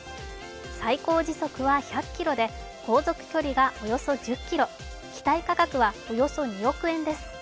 最高時速は１００キロで航続距離がおよそ１０ｋｍ、機体価格はおよそ２億円です。